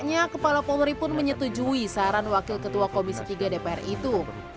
hanya kepala polri pun menyetujui saran wakil ketua komisi tiga dpr itu